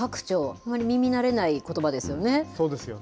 あまり耳慣れないそうですよね。